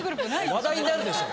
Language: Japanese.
話題になるでしょ。